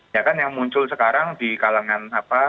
ya kan yang muncul sekarang di kalangan apa